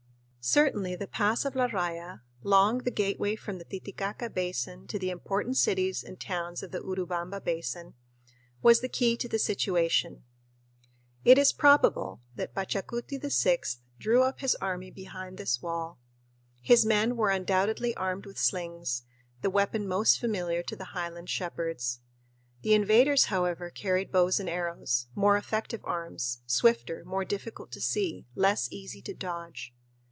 Certainly the pass of La Raya, long the gateway from the Titicaca Basin to the important cities and towns of the Urubamba Basin, was the key to the situation. It is probable that Pachacuti VI drew up his army behind this wall. His men were undoubtedly armed with slings, the weapon most familiar to the highland shepherds. The invaders, however, carried bows and arrows, more effective arms, swifter, more difficult to see, less easy to dodge.